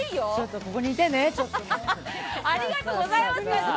ここにいてね。